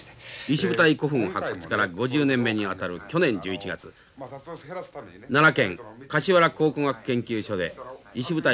石舞台古墳発掘から５０年目にあたる去年１１月奈良県橿原考古学研究所で石舞台再現委員会が発足しました。